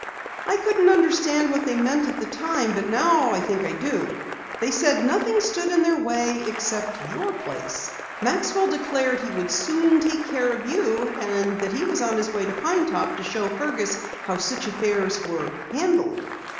"I couldn't understand what they meant at the time, but now I think I do. They said that nothing stood in their way except your place. Maxwell declared he would soon take care of you, and that he was on his way to Pine Top to show Fergus how such affairs were handled."